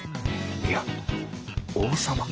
いや王様。